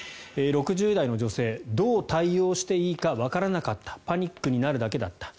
６０代の女性どう対応していいかわからなかったパニックになるだけだった。